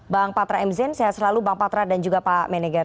bang patra mzen sehat selalu bang patra dan juga pak menegar